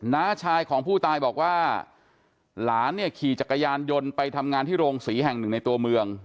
น้าชายของผู้ตายบอกว่าหลานเนี่ยขี่จักรยานยนต์ไปทำงานที่โรงศรีแห่งหนึ่งในตัวเมือง